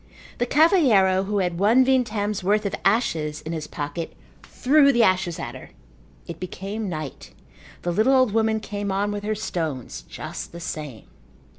The cavalheiro who had one vintem's worth of ashes in his pocket threw the ashes at her. It became night. The little old woman came on with her stones just the same.